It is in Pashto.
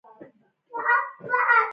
نوموړې په وینا داسې انګېري چې په